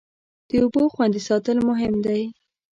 د اوبو خوندي ساتل مهم دی.